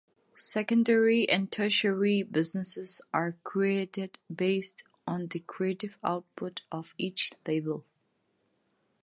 Secondary and tertiary businesses are created based on the creative output of each label.